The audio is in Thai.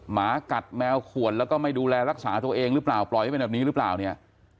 หมากัดแมวขวนแล้วก็ไม่ดูแลรักษาตัวเองหรือเปล่าปล่อยให้เป็นแบบนี้หรือเปล่าเนี่ย